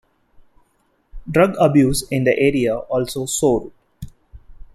Drug abuse in the area also soared.